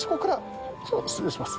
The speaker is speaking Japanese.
失礼します